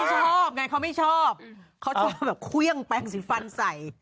เขาชอบเครื่องแปงสีฟันใส